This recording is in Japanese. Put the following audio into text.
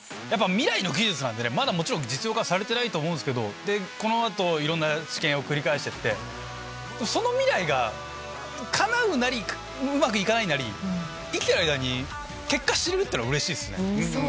未来の技術なんでねまだ実用化はされてないけどこの後いろんな治験を繰り返してってその未来がかなうなりうまく行かないなり生きてる間に結果知れるってうれしいっすね。